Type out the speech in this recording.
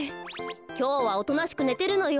きょうはおとなしくねてるのよ。